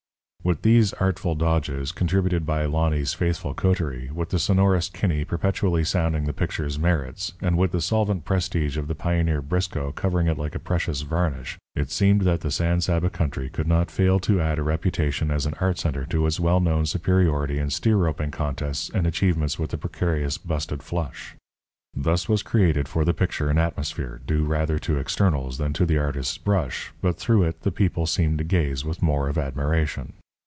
With these artful dodges, contributed by Lonney's faithful coterie, with the sonorous Kinney perpetually sounding the picture's merits, and with the solvent prestige of the pioneer Briscoe covering it like a precious varnish, it seemed that the San Saba country could not fail to add a reputation as an art centre to its well known superiority in steer roping contests and achievements with the precarious busted flush. Thus was created for the picture an atmosphere, due rather to externals than to the artist's brush, but through it the people seemed to gaze with more of admiration.